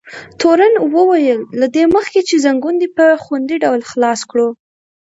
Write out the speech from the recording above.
تورن وویل: له دې مخکې چې ځنګون دې په خوندي ډول خلاص کړو.